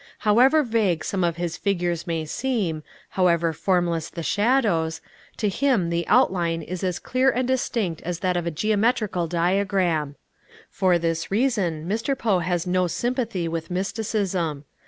However vague some of his figures may seem, however formless the shadows, to him the outline is as clear and distinct as that of a geometrical diagram. For this reason Mr. Poe has no sympathy with Mysticism.